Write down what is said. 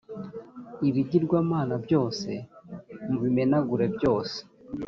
ibigirwamana byose mu bimenagure byose